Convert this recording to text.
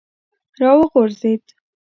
را وغورځېد.